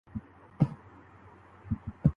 اس model کی اساس ایک مضبوط اور بڑا انفراسٹرکچر ہے۔